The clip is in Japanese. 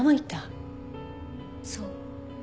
そう。